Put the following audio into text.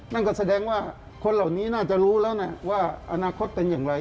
นั่นก็แสดงว่าคนเหล่านี้น่าจะรู้แล้วนะว่าอนาคตเป็นอย่างไร